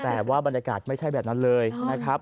แต่ว่าบรรยากาศไม่ใช่แบบนั้นเลยนะครับ